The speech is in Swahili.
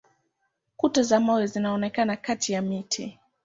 Kuta za mawe zinaonekana kati ya miti.